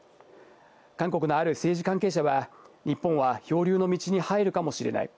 韓国のある政治関係者は、日本は漂流の道に入るかもしれない。